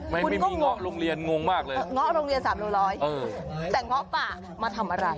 ไม่มีง๊อโรงเรียนงงมากเลยง๊อโรงเรียนสามลูกร้อยแต่ง๊อป่ามาทำอะไร